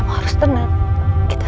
kamu tenang ya